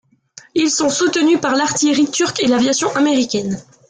Ils sont soutenus par l'artillerie turque et l'aviation américaine.